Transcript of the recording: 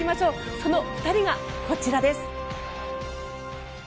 その２人がこちらです。